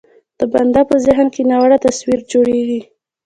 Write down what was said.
د بنده په ذهن کې ناوړه تصویر جوړېږي.